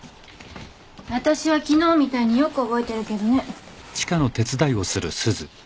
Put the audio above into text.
あたしは昨日みたいによく覚えてるけどね。